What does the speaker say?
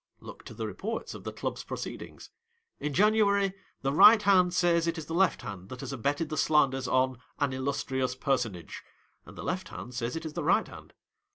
Look to the reports of the Club's pro ceedings. In January, the right hand says it is the left hand that has abetted the slanders on "an illustrious personage," and the left hand says it is the right hand.